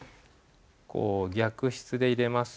こう逆筆で入れます。